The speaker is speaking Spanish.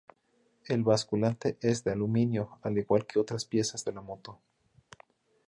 El basculante es de aluminio, al igual que otras piezas de la moto.